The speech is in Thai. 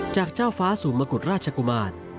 จากเจ้าฟ้าสู่มกุฎราชกุมาร